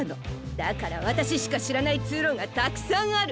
だからわたししかしらないつうろがたくさんある。